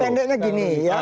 tendanya gini ya